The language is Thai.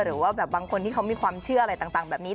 หรือว่าแบบบางคนที่เขามีความเชื่ออะไรต่างแบบนี้